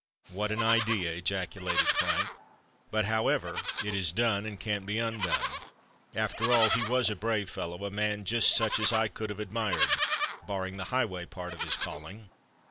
"What an idea!" ejaculated Frank. "But, however, it is done, and can't be undone. After all, he was a brave fellow—a man just such as I could have admired, barring the highway part of his calling.